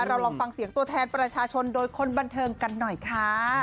ลองฟังเสียงตัวแทนประชาชนโดยคนบันเทิงกันหน่อยค่ะ